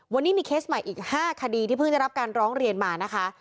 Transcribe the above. วันนี้มีเคสใหม่อีก๕คดีที่เพิ่งได้รับการร้องเรียนมานะคะ